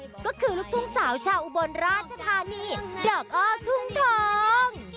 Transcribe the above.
ก็คือลูกทุ่งสาวชาวอุบลราชธานีดอกอ้อทุ่งทอง